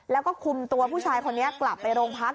แล้วก็คุมตัวผู้ชายคนนี้กลับไปโรงพัก